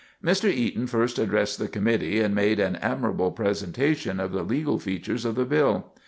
Mr. Eaton first addressed the committee, and made an admirable presentation of the legal features of the bill.